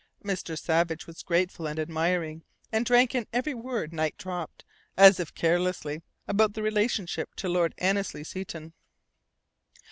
Mr. Savage was grateful and admiring, and drank in every word Knight dropped, as if carelessly, about the relationship to Lord Annesley Seton.